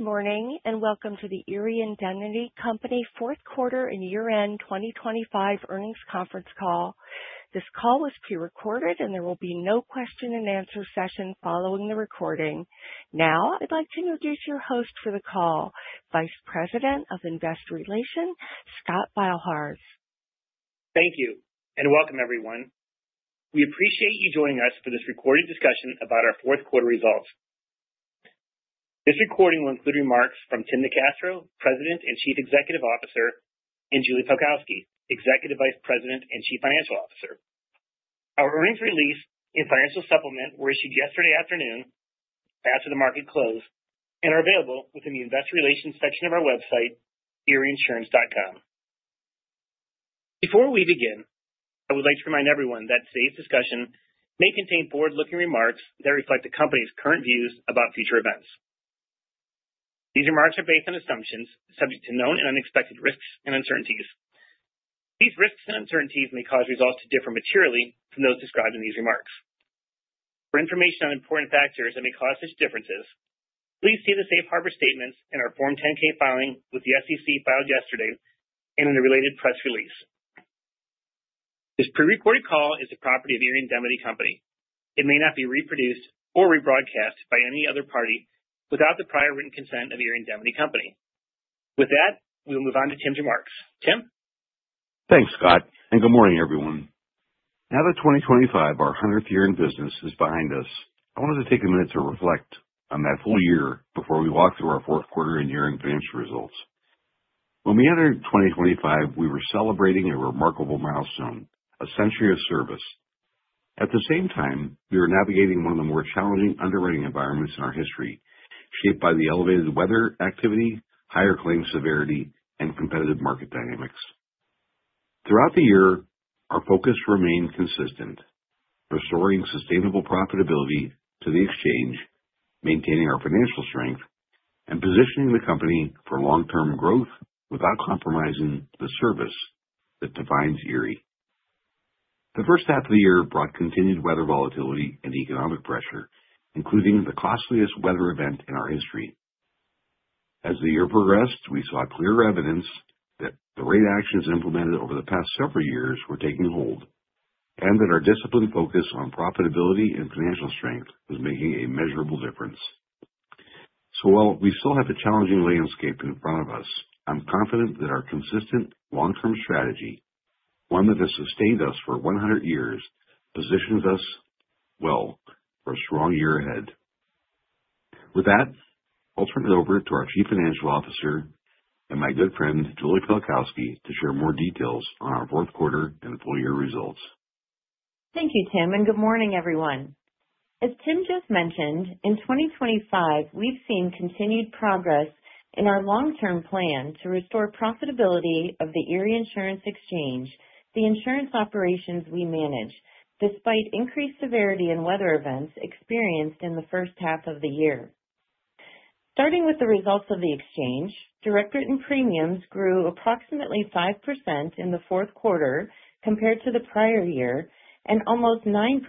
Good morning, welcome to the Erie Indemnity Company Q4 and year-end 2025 earnings conference call. This call was prerecorded and there will be no Q&A session following the recording. Now, I'd like to introduce your host for the call, Vice President of Investor Relations, Scott Beilharz. Thank you, and welcome, everyone. We appreciate you joining us for this recorded discussion about our Q4 results. This recording will include remarks from Tim Nicastro, President and Chief Executive Officer, and Julie Pelkowski, Executive Vice President and Chief Financial Officer. Our earnings release and financial supplement were issued yesterday afternoon after the market closed and are available within the Investor Relations section of our website, erieinsurance.com. Before we begin, I would like to remind everyone that today's discussion may contain forward-looking remarks that reflect the company's current views about future events. These remarks are based on assumptions subject to known and unexpected risks and uncertainties. These risks and uncertainties may cause results to differ materially from those described in these remarks. For information on important factors that may cause such differences, please see the safe harbor statements in our Form 10-K filing with the SEC filed yesterday and in the related press release. This prerecorded call is the property of Erie Indemnity Company. It may not be reproduced or rebroadcast by any other party without the prior written consent of Erie Indemnity Company. With that, we will move on to Tim's remarks. Tim? Thanks, Scott. Good morning, everyone. Now that 2025, our hundredth year in business, is behind us, I wanted to take a minute to reflect on that full year before we walk through our Q4 and year-end financial results. When we entered 2025, we were celebrating a remarkable milestone, a century of service. At the same time, we were navigating one of the more challenging underwriting environments in our history, shaped by the elevated weather activity, higher claim severity, and competitive market dynamics. Throughout the year, our focus remained consistent: restoring sustainable profitability to the exchange, maintaining our financial strength, and positioning the company for long-term growth without compromising the service that defines Erie. The H1 of the year brought continued weather volatility and economic pressure, including the costliest weather event in our history. As the year progressed, we saw clear evidence that the rate actions implemented over the past several years were taking hold, and that our disciplined focus on profitability and financial strength was making a measurable difference. While we still have a challenging landscape in front of us, I'm confident that our consistent long-term strategy, one that has sustained us for 100 years, positions us well for a strong year ahead. With that, I'll turn it over to our Chief Financial Officer and my good friend, Julie Pelkowski, to share more details on our Q4 and full year results. Thank you, Tim. Good morning, everyone. As Tim just mentioned, in 2025, we've seen continued progress in our long-term plan to restore profitability of the Erie Insurance Exchange, the insurance operations we manage, despite increased severity in weather events experienced in the H1 of the year. Starting with the results of the Exchange, direct written premiums grew approximately 5% in the Q4 compared to the prior year, and almost 9%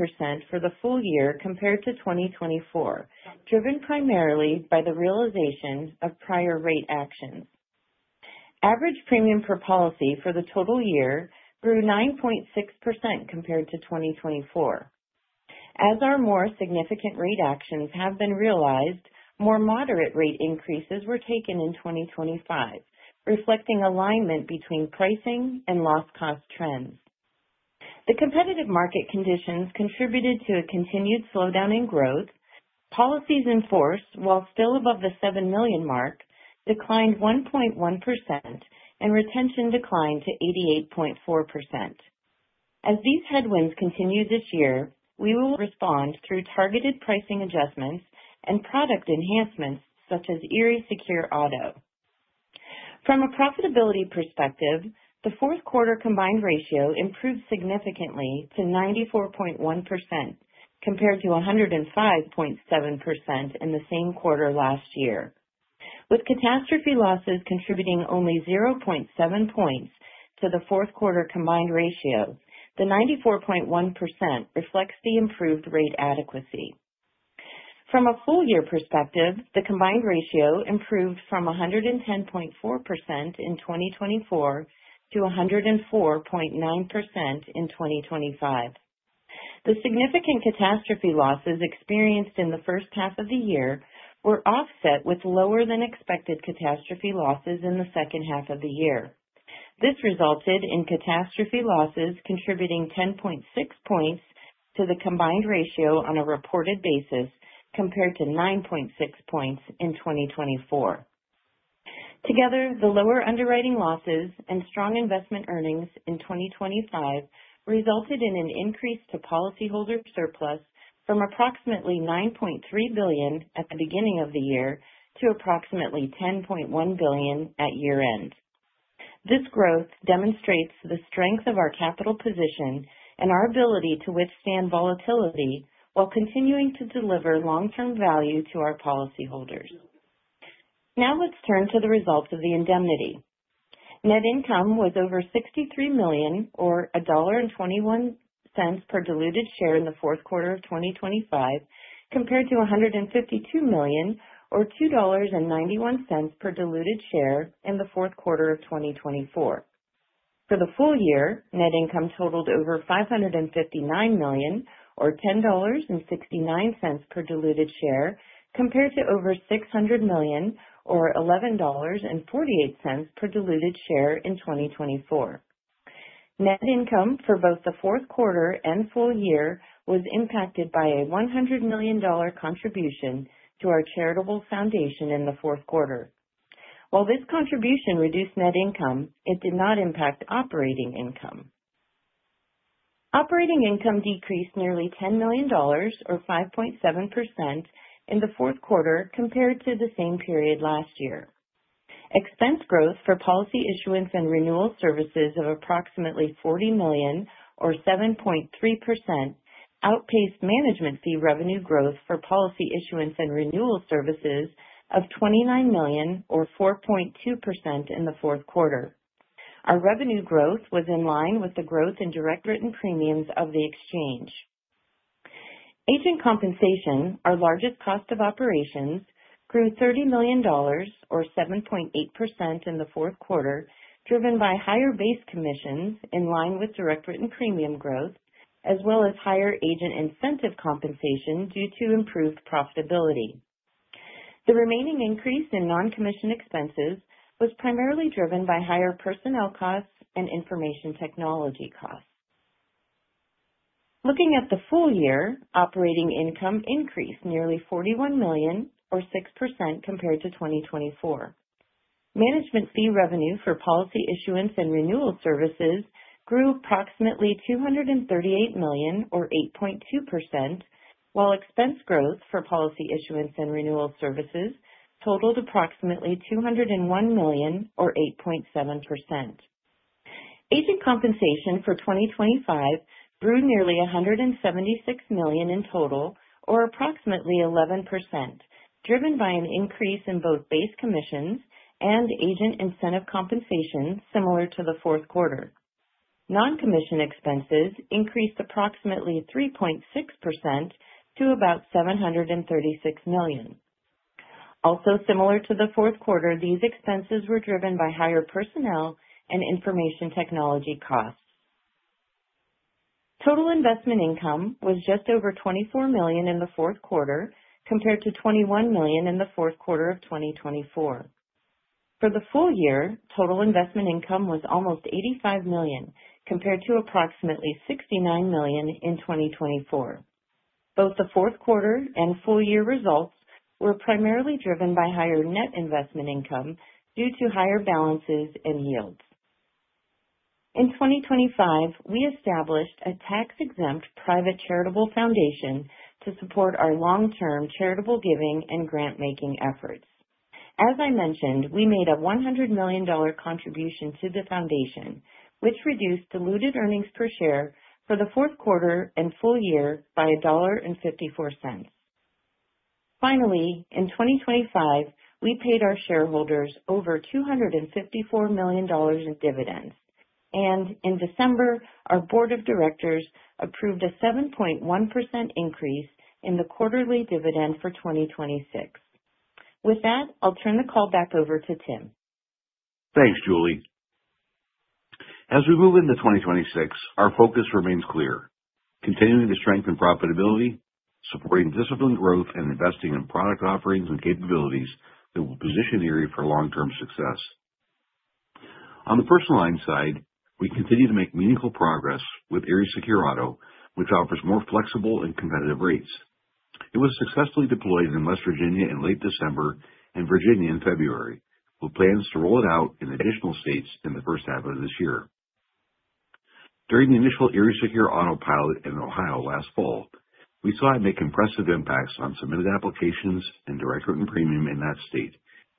for the full year compared to 2024, driven primarily by the realization of prior rate actions. Average premium per policy for the total year grew 9.6% compared to 2024. As our more significant rate actions have been realized, more moderate rate increases were taken in 2025, reflecting alignment between pricing and loss cost trends. The competitive market conditions contributed to a continued slowdown in growth. Policies in force, while still above the 7 million mark, declined 1.1%. Retention declined to 88.4%. As these headwinds continue this year, we will respond through targeted pricing adjustments and product enhancements, such as Erie Secure Auto. From a profitability perspective, the Q4 combined ratio improved significantly to 94.1%, compared to 105.7% in the same quarter last year. With catastrophe losses contributing only 0.7 points to the Q4 combined ratio, the 94.1% reflects the improved rate adequacy. From a full year perspective, the combined ratio improved from 110.4% in 2024 to 104.9% in 2025. The significant catastrophe losses experienced in the H1 of the year were offset with lower-than-expected catastrophe losses in the H2 of the year. This resulted in catastrophe losses contributing 10.6 points to the combined ratio on a reported basis, compared to 9.6 points in 2024. Together, the lower underwriting losses and strong investment earnings in 2025 resulted in an increase to policyholder surplus from approximately $9.3 billion at the beginning of the year to approximately $10.1 billion at year-end. This growth demonstrates the strength of our capital position and our ability to withstand volatility while continuing to deliver long-term value to our policyholders. Let's turn to the results of the indemnity. Net income was over $63 million, or $1.21 per diluted share in the Q4 of 2025, compared to $152 million, or $2.91 per diluted share in the Q4 of 2024. For the full year, net income totaled over $559 million, or $10.69 per diluted share, compared to over $600 million, or $11.48 per diluted share in 2024. Net income for both the Q4 and full year was impacted by a $100 million contribution to our charitable foundation in the Q4. While this contribution reduced net income, it did not impact operating income. Operating income decreased nearly $10 million or 5.7% in the Q4 compared to the same period last year. Expense growth for policy issuance and renewal services of approximately $40 million or 7.3%, outpaced management fee revenue growth for policy issuance and renewal services of $29 million or 4.2% in the Q4. Our revenue growth was in line with the growth in direct written premiums of the exchange. Agent compensation, our largest cost of operations, grew $30 million, or 7.8% in the Q4, driven by higher base commissions in line with direct written premium growth, as well as higher agent incentive compensation due to improved profitability. The remaining increase in non-commission expenses was primarily driven by higher personnel costs and information technology costs. Looking at the full year, operating income increased nearly $41 million or 6% compared to 2024. Management fee revenue for policy issuance and renewal services grew approximately $238 million or 8.2%, while expense growth for policy issuance and renewal services totaled approximately $201 million or 8.7%. Agent compensation for 2025 grew nearly $176 million in total, or approximately 11%, driven by an increase in both base commissions and agent incentive compensation similar to the Q4. Non-commission expenses increased approximately 3.6% to about $736 million. Also, similar to the Q4, these expenses were driven by higher personnel and information technology costs. Total investment income was just over $24 million in the Q4, compared to $21 million in the Q4 of 2024. For the full year, total investment income was almost $85 million, compared to approximately $69 million in 2024. Both the Q4 and full year results were primarily driven by higher net investment income due to higher balances and yields. In 2025, we established a tax-exempt private charitable foundation to support our long-term charitable giving and grant-making efforts. As I mentioned, we made a $100 million contribution to the foundation, which reduced diluted earnings per share for the Q4 and full year by $1.54. In 2025, we paid our shareholders over $254 million in dividends. In December, our board of directors approved a 7.1% increase in the quarterly dividend for 2026. With that, I'll turn the call back over to Tim. Thanks, Julie. As we move into 2026, our focus remains clear: continuing to strengthen profitability, supporting disciplined growth, and investing in product offerings and capabilities that will position Erie for long-term success. On the personal lines side, we continue to make meaningful progress with Erie Secure Auto, which offers more flexible and competitive rates. It was successfully deployed in West Virginia in late December and Virginia in February, with plans to roll it out in additional states in the H1 of this year. During the initial Erie Secure Auto pilot in Ohio last fall, we saw it make impressive impacts on submitted applications and direct written premiums in that state,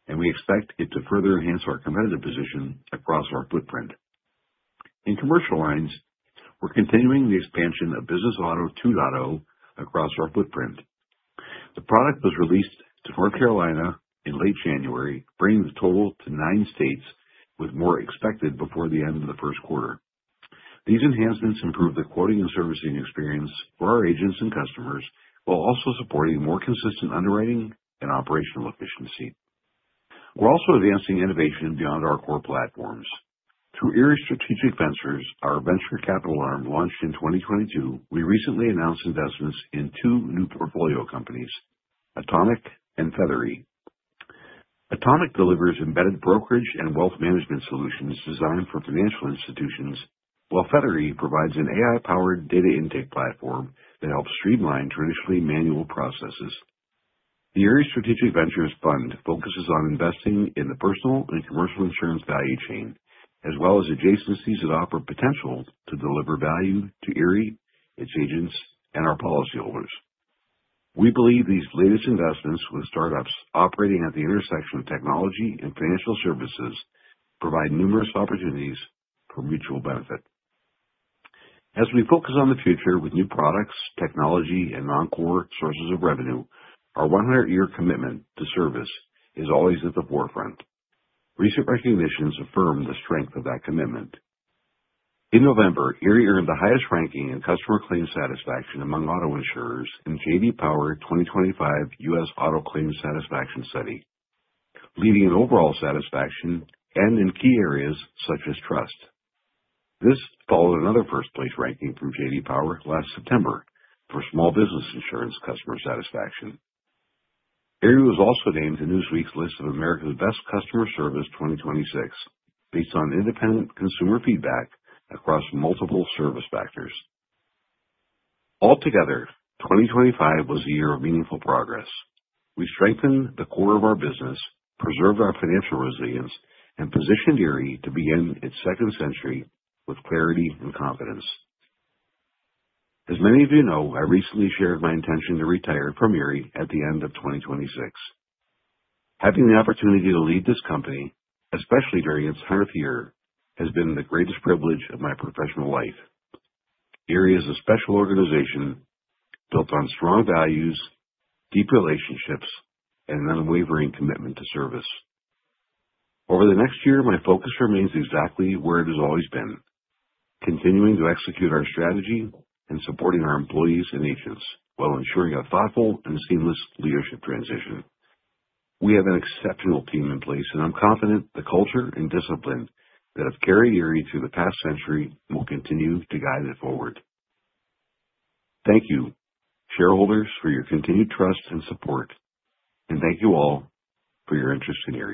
and we expect it to further enhance our competitive position across our footprint. In commercial lines, we're continuing the expansion of Business Auto Two ponto across our footprint. The product was released to North Carolina in late January, bringing the total to 9 states, with more expected before the end of the Q1. These enhancements improve the quoting and servicing experience for our agents and customers, while also supporting more consistent underwriting and operational efficiency. We're also advancing innovation beyond our core platforms. Through Erie Strategic Ventures, our venture capital arm, launched in 2022, we recently announced investments in 2 new portfolio companies, Atomic and Feathery. Atomic delivers embedded brokerage and wealth management solutions designed for financial institutions, while Feathery provides an AI-powered data intake platform that helps streamline traditionally manual processes. The Erie Strategic Ventures Fund focuses on investing in the personal and commercial insurance value chain, as well as adjacencies that offer potential to deliver value to Erie, its agents, and our policyholders. We believe these latest investments with startups operating at the intersection of technology and financial services provide numerous opportunities for mutual benefit. As we focus on the future with new products, technology, and non-core sources of revenue, our 100-year commitment to service is always at the forefront. Recent recognitions affirm the strength of that commitment. In November, Erie earned the highest ranking in customer claim satisfaction among auto insurers in J.D. Power 2025 U.S. Auto Claims Satisfaction Study, leading in overall satisfaction and in key areas such as trust. This followed another first-place ranking from J.D. Power last September for small business insurance customer satisfaction. Erie was also named to Newsweek's list of America's Best Customer Service 2026, based on independent consumer feedback across multiple service factors. Altogether, 2025 was a year of meaningful progress. We strengthened the core of our business, preserved our financial resilience, and positioned Erie to begin its second century with clarity and confidence. As many of you know, I recently shared my intention to retire from Erie at the end of 2026. Having the opportunity to lead this company, especially during its hundredth year, has been the greatest privilege of my professional life. Erie is a special organization built on strong values, deep relationships, and an unwavering commitment to service. Over the next year, my focus remains exactly where it has always been, continuing to execute our strategy and supporting our employees and agents, while ensuring a thoughtful and seamless leadership transition. We have an exceptional team in place, and I'm confident the culture and discipline that have carried Erie through the past century will continue to guide it forward. Thank you, shareholders, for your continued trust and support, and thank you all for your interest in Erie.